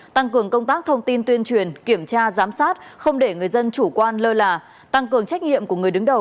tăng cường công tác thông tin tuyên truyền kiểm tra giám sát không để người dân chủ quan lơ là tăng cường trách nhiệm của người đứng đầu